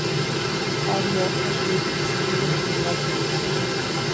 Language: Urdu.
آج مؤقف ایک ہی ہے جو نواز شریف کا ہے